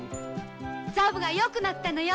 ザブが良くなったのよ！